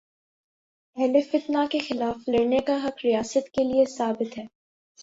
اہل فتنہ کے خلاف لڑنے کا حق ریاست کے لیے ثابت ہے۔